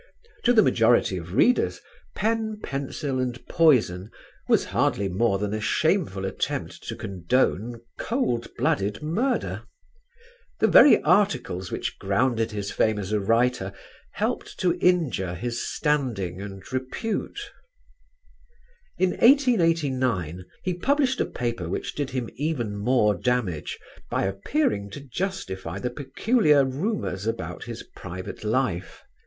To the majority of readers, "Pen, Pencil and Poison" was hardly more than a shameful attempt to condone cold blooded murder. The very articles which grounded his fame as a writer, helped to injure his standing and repute. In 1889 he published a paper which did him even more damage by appearing to justify the peculiar rumours about his private life.